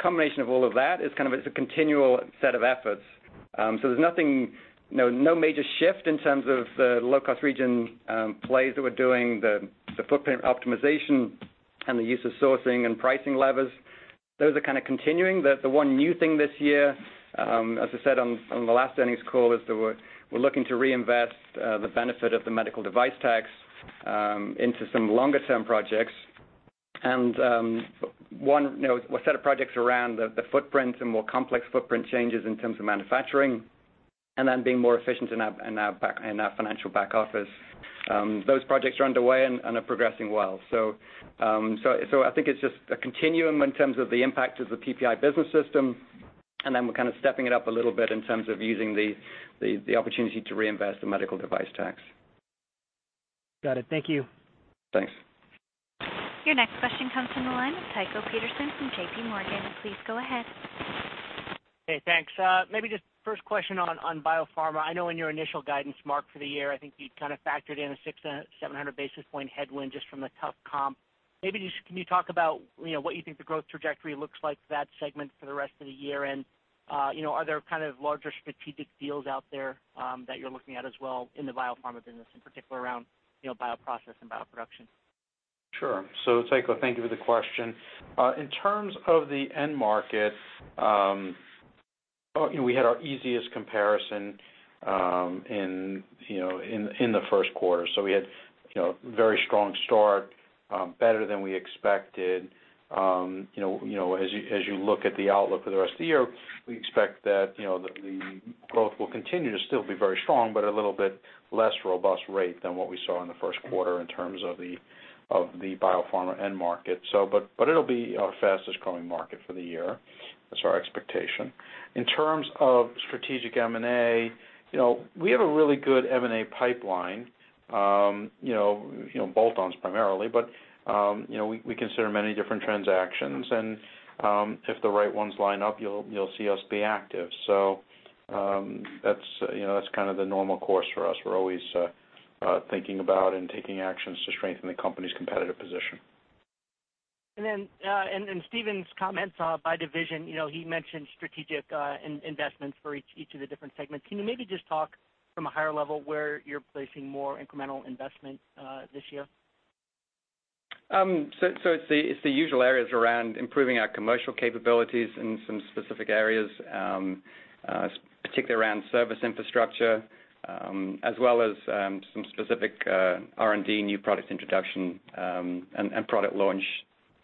combination of all of that is kind of, it's a continual set of efforts. There's no major shift in terms of the low-cost region plays that we're doing, the footprint optimization and the use of sourcing and pricing levers. Those are kind of continuing. The one new thing this year, as I said on the last earnings call, is that we're looking to reinvest the benefit of the medical device tax into some longer-term projects. One set of projects around the footprints and more complex footprint changes in terms of manufacturing and then being more efficient in our financial back office. Those projects are underway and are progressing well. I think it's just a continuum in terms of the impact of the PPI business system, then we're kind of stepping it up a little bit in terms of using the opportunity to reinvest the medical device tax. Got it. Thank you. Thanks. Your next question comes from the line of Tycho Peterson from J.P. Morgan. Please go ahead. Hey, thanks. Maybe just first question on biopharma. I know in your initial guidance mark for the year, I think you'd kind of factored in a 600, 700 basis point headwind just from the tough comp. Maybe just can you talk about what you think the growth trajectory looks like for that segment for the rest of the year? Are there kind of larger strategic deals out there that you're looking at as well in the biopharma business, in particular around bioprocess and bioproduction? Sure. Tycho, thank you for the question. In terms of the end market, we had our easiest comparison in the first quarter. We had a very strong start, better than we expected. As you look at the outlook for the rest of the year, we expect that the growth will continue to still be very strong, but a little bit less robust rate than what we saw in the first quarter in terms of the biopharma end market. It'll be our fastest growing market for the year. That's our expectation. In terms of strategic M&A, we have a really good M&A pipeline, bolt-ons primarily, but we consider many different transactions, and if the right ones line up, you'll see us be active. That's the normal course for us. We're always thinking about and taking actions to strengthen the company's competitive position. In Stephen's comments by division, he mentioned strategic investments for each of the different segments. Can you maybe just talk from a higher level where you're placing more incremental investment this year? It's the usual areas around improving our commercial capabilities in some specific areas, particularly around service infrastructure, as well as some specific R&D, new product introduction, and product launch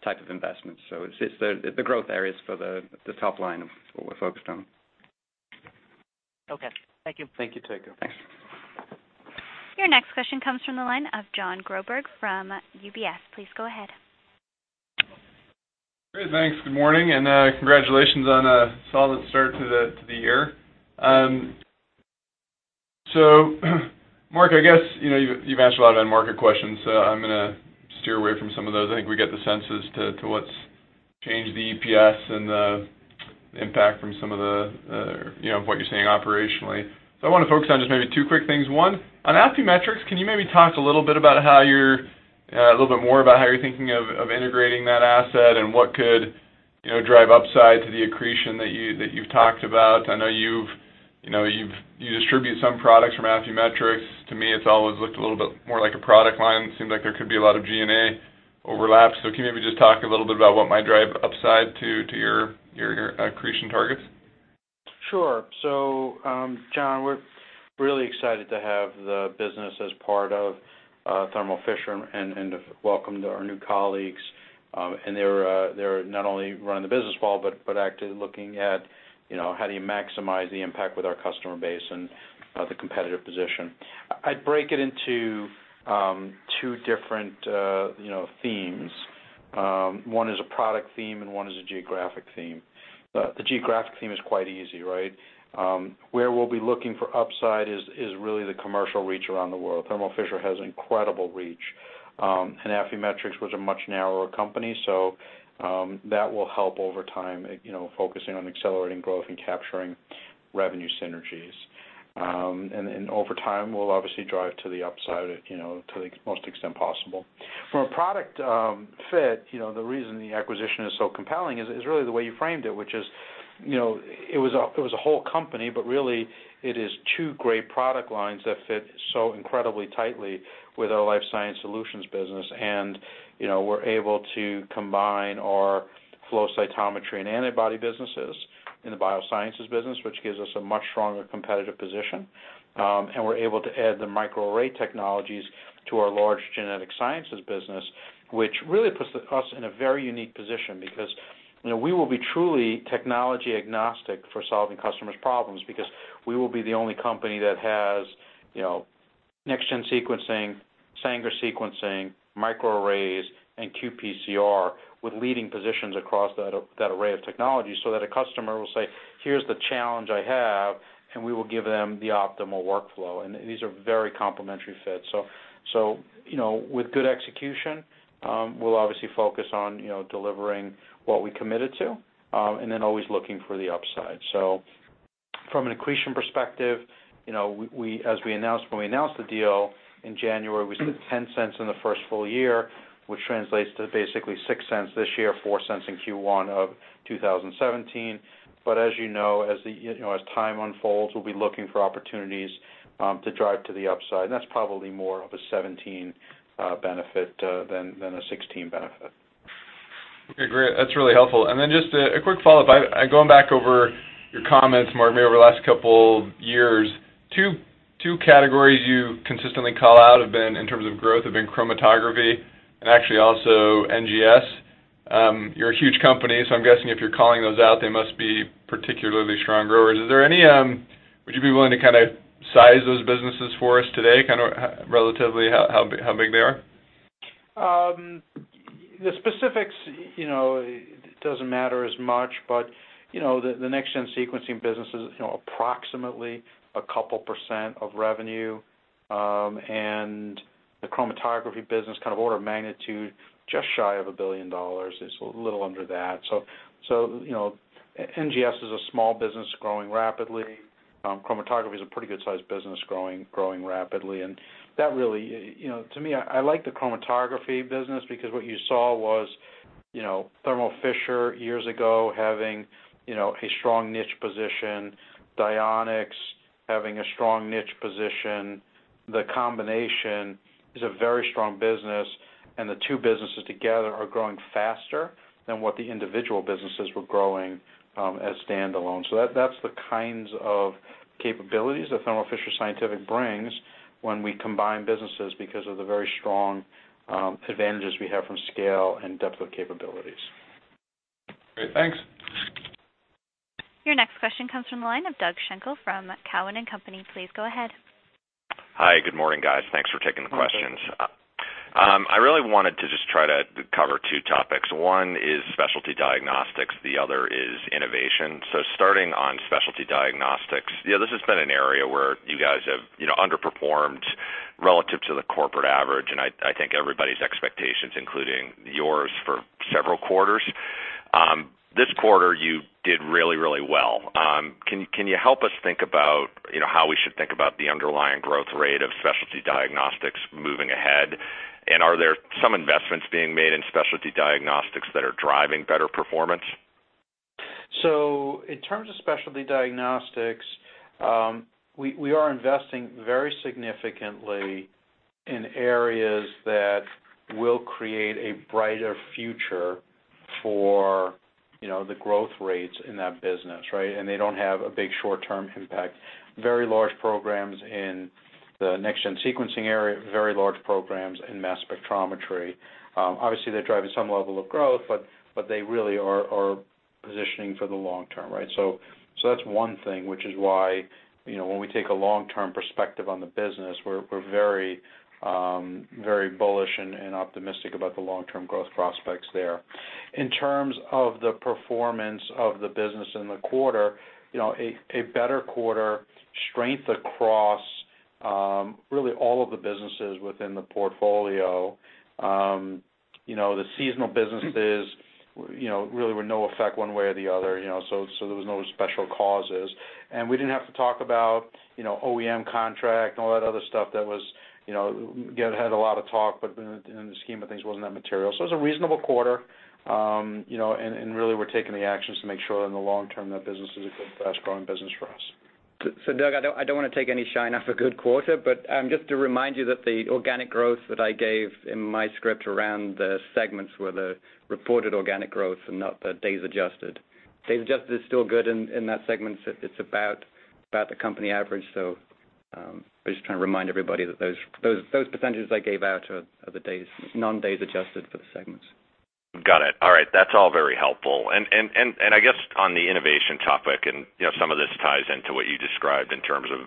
type of investments. It's the growth areas for the top line of what we're focused on. Okay. Thank you. Thank you, Tycho. Thanks. Your next question comes from the line of Jon Groberg from UBS. Please go ahead. Great. Thanks. Good morning, and congratulations on a solid start to the year. Marc, I guess you've answered a lot of end market questions, so I'm going to steer away from some of those. I think we get the senses to what's changed the EPS and the impact from some of what you're seeing operationally. I want to focus on just maybe two quick things. One, on Affymetrix, can you maybe talk a little bit more about how you're thinking of integrating that asset and what could drive upside to the accretion that you've talked about? I know you distribute some products from Affymetrix. To me, it's always looked a little bit more like a product line. Seems like there could be a lot of G&A overlap. Can you maybe just talk a little bit about what might drive upside to your accretion targets? Sure. Jon, we're really excited to have the business as part of Thermo Fisher and to welcome our new colleagues. They're not only running the business well, but actively looking at how do you maximize the impact with our customer base and the competitive position. I'd break it into two different themes. One is a product theme, and one is a geographic theme. The geographic theme is quite easy, right? Where we'll be looking for upside is really the commercial reach around the world. Thermo Fisher has incredible reach, and Affymetrix was a much narrower company, so that will help over time, focusing on accelerating growth and capturing revenue synergies. Over time, we'll obviously drive to the upside to the most extent possible. From a product fit, the reason the acquisition is so compelling is really the way you framed it, which is, it was a whole company, but really it is two great product lines that fit so incredibly tightly with our Life Sciences Solutions business, and we're able to combine our flow cytometry and antibody businesses in the biosciences business, which gives us a much stronger competitive position. We're able to add the microarray technologies to our large genetic sciences business, which really puts us in a very unique position because we will be truly technology agnostic for solving customers' problems because we will be the only company that has next-gen sequencing, Sanger sequencing, microarrays, and qPCR with leading positions across that array of technology so that a customer will say, "Here's the challenge I have," and we will give them the optimal workflow. These are very complementary fits. With good execution, we'll obviously focus on delivering what we committed to, always looking for the upside. From an accretion perspective, when we announced the deal in January, we said $0.10 in the first full year, which translates to basically $0.06 this year, $0.04 in Q1 of 2017. As you know, as time unfolds, we'll be looking for opportunities to drive to the upside. That's probably more of a 2017 benefit than a 2016 benefit. Okay, great. That's really helpful. Just a quick follow-up. Going back over your comments, Marc, maybe over the last couple years, two categories you consistently call out in terms of growth have been chromatography and actually also NGS. You're a huge company, so I'm guessing if you're calling those out, they must be particularly strong growers. Would you be willing to size those businesses for us today, relatively how big they are? The specifics, it doesn't matter as much, the next-gen sequencing business is approximately a couple percent of revenue, and the chromatography business order of magnitude just shy of $1 billion, it's a little under that. NGS is a small business growing rapidly. Chromatography is a pretty good-sized business growing rapidly, and to me, I like the chromatography business because what you saw was Thermo Fisher years ago having a strong niche position, Dionex having a strong niche position. The combination is a very strong business, and the two businesses together are growing faster than what the individual businesses were growing as standalone. That's the kinds of capabilities that Thermo Fisher Scientific brings when we combine businesses because of the very strong advantages we have from scale and depth of capabilities. Great. Thanks. Your next question comes from the line of Doug Schenkel from Cowen and Company. Please go ahead. Hi. Good morning, guys. Thanks for taking the questions. I really wanted to just try to cover two topics. One is Specialty Diagnostics, the other is innovation. Starting on Specialty Diagnostics, this has been an area where you guys have underperformed relative to the corporate average, and I think everybody's expectations, including yours, for several quarters. This quarter you did really, really well. Can you help us think about how we should think about the underlying growth rate of Specialty Diagnostics moving ahead? Are there some investments being made in Specialty Diagnostics that are driving better performance? In terms of Specialty Diagnostics, we are investing very significantly in areas that will create a brighter future for the growth rates in that business, right? They don't have a big short-term impact. Very large programs in the next-gen sequencing area, very large programs in mass spectrometry. Obviously, they're driving some level of growth, but they really are positioning for the long term, right? That's one thing, which is why when we take a long-term perspective on the business, we're very bullish and optimistic about the long-term growth prospects there. In terms of the performance of the business in the quarter, a better quarter, strength across really all of the businesses within the portfolio. The seasonal businesses really were no effect one way or the other, so there was no special causes. We didn't have to talk about OEM contract and all that other stuff that had a lot of talk, but in the scheme of things wasn't that material. It was a reasonable quarter, and really we're taking the actions to make sure in the long term that business is a good, fast-growing business for us. Doug, I don't want to take any shine off a good quarter, but just to remind you that the organic growth that I gave in my script around the segments were the reported organic growth and not the days adjusted. Days adjusted is still good in that segment. It's about the company average. I'm just trying to remind everybody that those percentages I gave out are the non-days adjusted for the segments. Got it. All right. That's all very helpful. I guess on the innovation topic, and some of this ties into what you described in terms of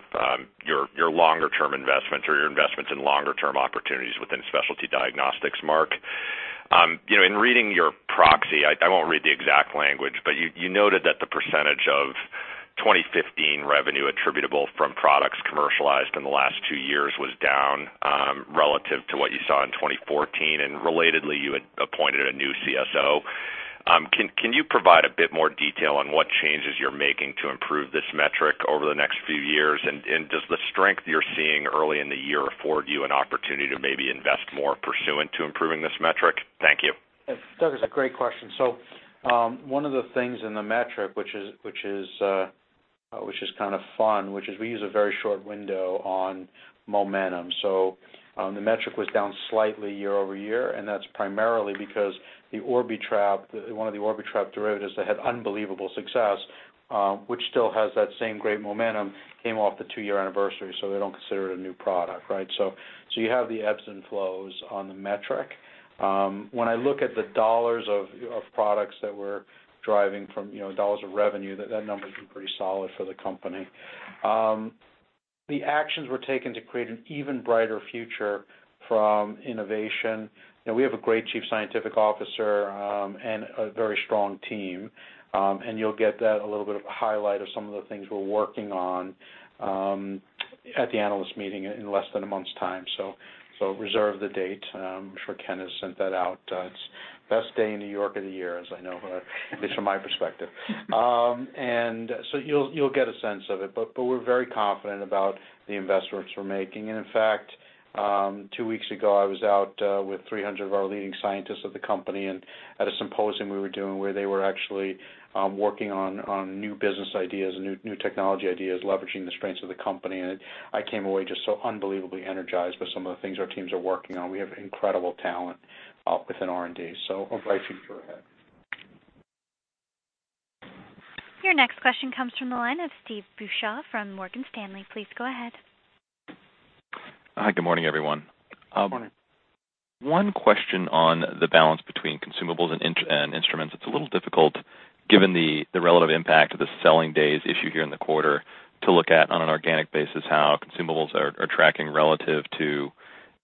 your longer-term investments or your investments in longer-term opportunities within Specialty Diagnostics, Marc. In reading your proxy, I won't read the exact language, but you noted that the percentage of 2015 revenue attributable from products commercialized in the last two years was down relative to what you saw in 2014, and relatedly, you had appointed a new CSO. Can you provide a bit more detail on what changes you're making to improve this metric over the next few years? Does the strength you're seeing early in the year afford you an opportunity to maybe invest more pursuant to improving this metric? Thank you. Doug, it's a great question. One of the things in the metric, which is kind of fun, which is we use a very short window on momentum. The metric was down slightly year-over-year, and that's primarily because one of the Orbitrap derivatives that had unbelievable success, which still has that same great momentum, came off the two-year anniversary, so they don't consider it a new product, right? You have the ebbs and flows on the metric. When I look at the dollars of products that we're driving from dollars of revenue, that number's been pretty solid for the company. The actions were taken to create an even brighter future from innovation. We have a great Chief Scientific Officer and a very strong team, you'll get that, a little bit of a highlight of some of the things we're working on at the analyst meeting in less than a month's time. Reserve the date. I'm sure Ken has sent that out. It's best day in New York of the year, at least from my perspective. You'll get a sense of it, but we're very confident about the investments we're making. In fact, two weeks ago, I was out with 300 of our leading scientists of the company and at a symposium we were doing where they were actually working on new business ideas and new technology ideas, leveraging the strengths of the company. I came away just so unbelievably energized with some of the things our teams are working on. We have incredible talent within R&D, a bright future ahead. Your next question comes from the line of Steve Beuchaw from Morgan Stanley. Please go ahead. Hi, good morning, everyone. Good morning. One question on the balance between consumables and instruments. It's a little difficult given the relative impact of the selling days issue here in the quarter to look at on an organic basis how consumables are tracking relative to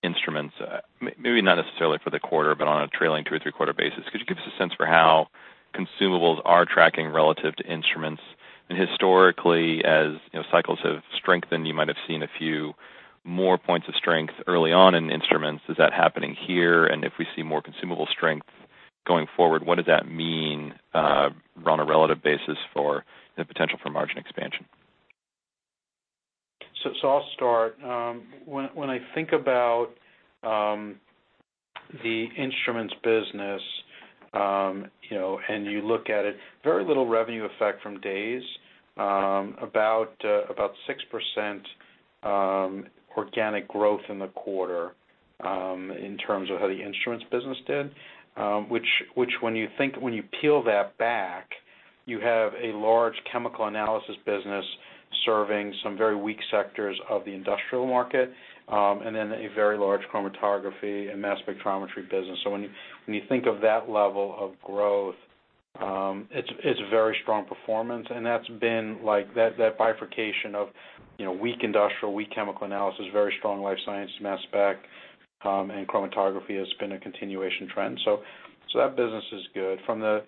instruments. Maybe not necessarily for the quarter, but on a trailing two or three quarter basis. Could you give us a sense for how consumables are tracking relative to instruments? Historically, as cycles have strengthened, you might have seen a few more points of strength early on in instruments. Is that happening here? If we see more consumable strength going forward, what does that mean on a relative basis for the potential for margin expansion? I'll start. When I think about the instruments business, you look at it, very little revenue effect from days. About 6% organic growth in the quarter in terms of how the instruments business did, which when you peel that back, you have a large chemical analysis business serving some very weak sectors of the industrial market, and then a very large chromatography and mass spectrometry business. When you think of that level of growth, it's very strong performance, and that's been like that bifurcation of weak industrial, weak chemical analysis, very strong life science, mass spec, and chromatography has been a continuation trend. That business is good. From the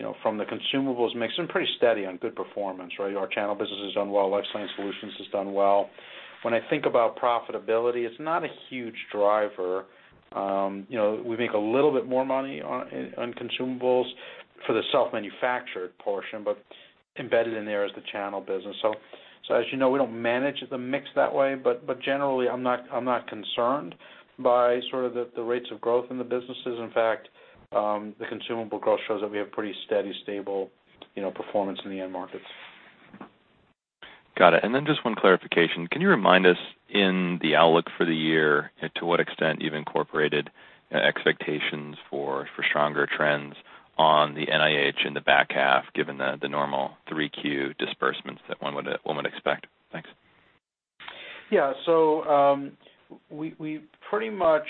consumables mix, pretty steady on good performance, right? Our channel business has done well, Life Sciences Solutions has done well. When I think about profitability, it's not a huge driver. We make a little bit more money on consumables for the self-manufactured portion, but embedded in there is the channel business. As you know, we don't manage the mix that way, but generally, I'm not concerned by sort of the rates of growth in the businesses. In fact, the consumable growth shows that we have pretty steady, stable performance in the end markets. Got it. Just one clarification. Can you remind us in the outlook for the year to what extent you've incorporated expectations for stronger trends on the NIH in the back half, given the normal 3 Q disbursements that one would expect? Thanks. Yeah. We pretty much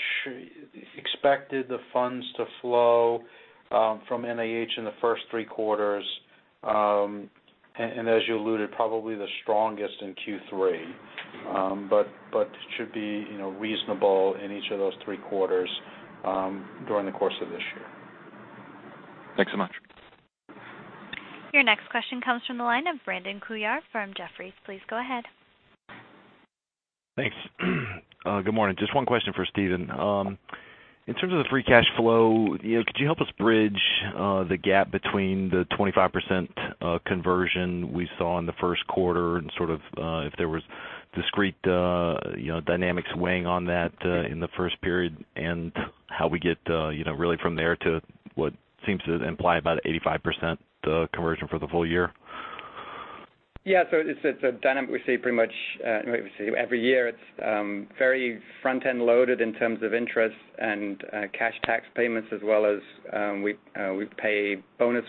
expected the funds to flow from NIH in the first 3 quarters. As you alluded, probably the strongest in Q3. Should be reasonable in each of those 3 quarters, during the course of this year. Thanks so much. Your next question comes from the line of Brandon Couillard from Jefferies. Please go ahead. Thanks. Good morning. Just one question for Stephen. In terms of the free cash flow, could you help us bridge the gap between the 25% conversion we saw in the first quarter and sort of, if there was discrete dynamics weighing on that in the first period and how we get really from there to what seems to imply about 85% conversion for the full year? Yeah. It's a dynamic we see pretty much every year. It's very front-end loaded in terms of interest and cash tax payments as well as bonus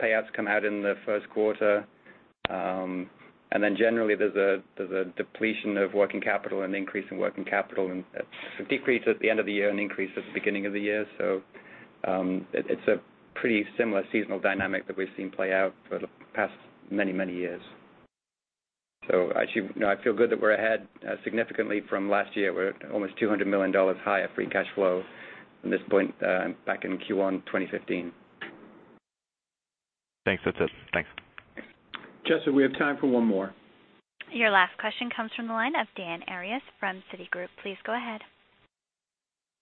payouts come out in the first quarter. Generally, there's a depletion of working capital and increase in working capital, and a decrease at the end of the year and increase at the beginning of the year. It's a pretty similar seasonal dynamic that we've seen play out for the past many, many years. Actually, I feel good that we're ahead significantly from last year. We're almost $200 million higher free cash flow from this point back in Q1 2015. Thanks. That's it. Thanks. Jessica, we have time for one more. Your last question comes from the line of Dan Arias from Citigroup. Please go ahead.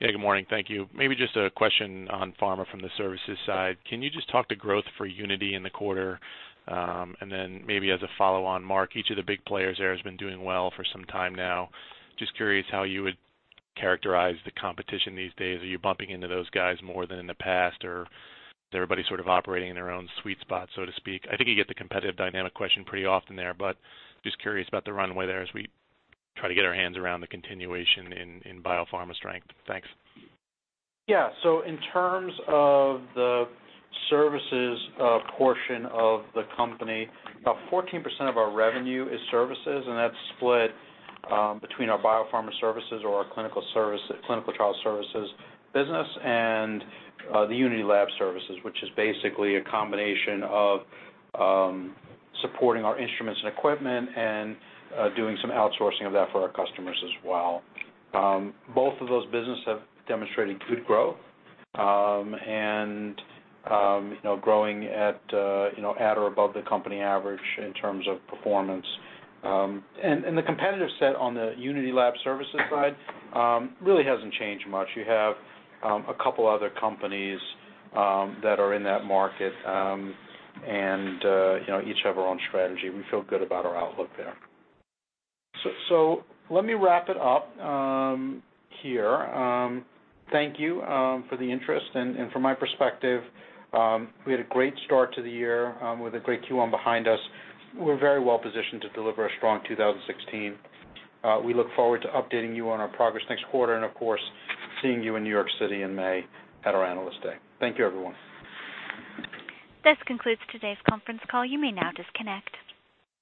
Yeah, good morning. Thank you. Maybe just a question on pharma from the services side. Can you just talk to growth for Unity in the quarter? Maybe as a follow-on, Marc, each of the big players there has been doing well for some time now. Just curious how you would characterize the competition these days. Are you bumping into those guys more than in the past, or is everybody sort of operating in their own sweet spot, so to speak? I think you get the competitive dynamic question pretty often there, but just curious about the runway there as we try to get our hands around the continuation in biopharma strength. Thanks. Yeah. In terms of the services portion of the company, about 14% of our revenue is services, and that's split between our biopharma services or our clinical trial services business and the Unity Lab Services, which is basically a combination of supporting our instruments and equipment and doing some outsourcing of that for our customers as well. Both of those businesses have demonstrated good growth, and growing at or above the company average in terms of performance. The competitive set on the Unity Lab Services side really hasn't changed much. You have a couple other companies that are in that market, and each have our own strategy. We feel good about our outlook there. Let me wrap it up here. Thank you for the interest and from my perspective, we had a great start to the year with a great Q1 behind us. We're very well-positioned to deliver a strong 2016. We look forward to updating you on our progress next quarter, and of course, seeing you in New York City in May at our Analyst Day. Thank you, everyone. This concludes today's conference call. You may now disconnect.